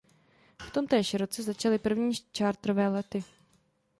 V tomtéž roce začaly první charterové lety.